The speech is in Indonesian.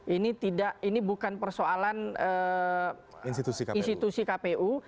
ini tidak ini bukan persoalan institusi kpu